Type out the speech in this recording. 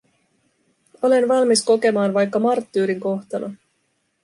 Olen valmis kokemaan vaikka marttyyrin kohtalon.